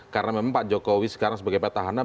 karena memang pak jokowi sekarang sebagai pak tahana